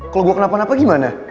kalau buat kenapa napa gimana